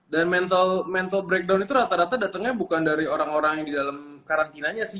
dan mental breakdown itu rata rata datangnya bukan dari orang orang yang di dalam karantinanya sih